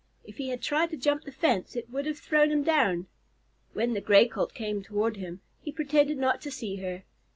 If he had tried to jump the fence, it would have thrown him down. When the Gray Colt came toward him, he pretended not to see her.